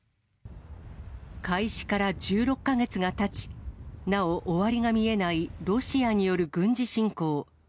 開始から１６か月がたち、なお終わりが見えないロシアによる軍事侵攻。